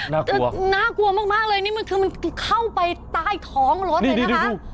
น่ากลัวน่ากลัวมากเลยนี่มันคือมันเข้าไปใต้ท้องรถเลยนะคะ